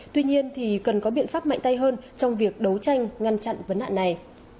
tuy nhiên thì cần có biện pháp mạnh tay hơn trong việc đấu tranh ngăn chặn vấn nạn này